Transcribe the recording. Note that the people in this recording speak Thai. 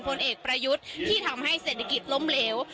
ผลเอกประยุทธ์ที่ทำให้เศรษฐกิจล้มเหลว